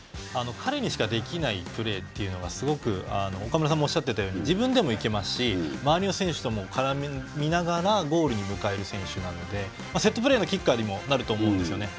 彼にしかできないプレーがすごく岡村さんもおっしゃっていたように自分でも行けますし周りの選手とも絡みながらゴールに迎える選手なのでセットプレーのキッカーにもなると思うんですね。